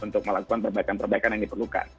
untuk melakukan perbaikan perbaikan yang diperlukan